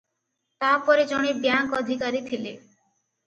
ତା'ପରେ ଜଣେ ବ୍ୟାଙ୍କ ଅଧିକାରୀ ଥିଲେ ।